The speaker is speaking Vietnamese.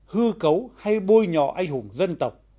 hư cấu hay bôi nhỏ anh hùng dân tộc